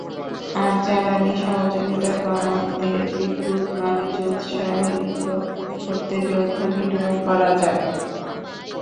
আর জ্বালানি সহযোগিতা বাড়াতে বিদ্যুৎ বাণিজ্য উৎসাহিত করতে যৌথ বিনিয়োগ করা যায়।